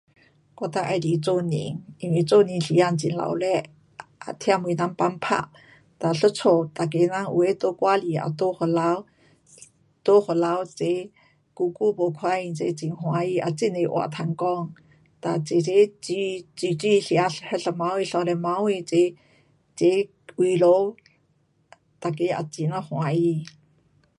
我最喜欢做年，因为做年时候很热闹。um 也听到人放炮。da 一家大家人有的在外里也都回来，都回来齐久久没看见，齐很欢喜，也很多话好说。da 齐齐煮，煮煮吃，那一晚上三十晚上齐，齐围炉。um 大家也很的欢喜。